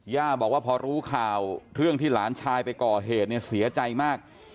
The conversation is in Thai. ย่าบอกว่าพอรู้ข่าวเรื่องที่หลานชายไปก่อเหตุเนี่ยเสียใจมาก